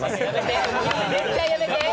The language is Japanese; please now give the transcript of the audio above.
絶対やめて！